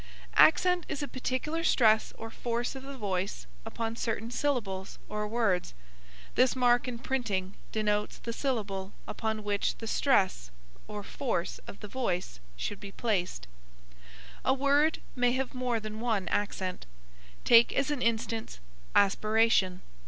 Accent is a particular stress or force of the voice upon certain syllables or words. This mark in printing denotes the syllable upon which the stress or force of the voice should be placed. A word may have more than one accent. Take as an instance aspiration.